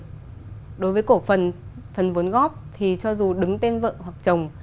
thứ bốn đối với cổ phần phần vốn góp thì cho dù đứng tên vợ hoặc chồng